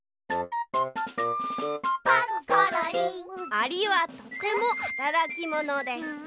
「アリはとてもはたらきものです」。